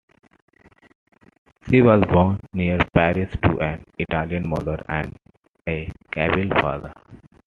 She was born near Paris to an Italian mother and a Kabyle father.